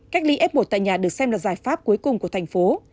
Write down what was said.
cách ly f một tại nhà được xem là giải pháp cuối cùng của thành phố